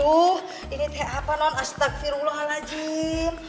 aduh ini apa non astagfirullahaladzim